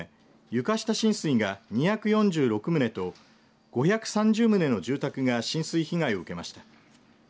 床下浸水が２４６棟と５３０棟の住宅が浸水被害を受けました。